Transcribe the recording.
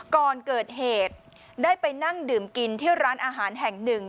ก่อนเกิดเหตุได้ไปนั่งดื่มกินที่ร้านอาหารแห่งหนึ่ง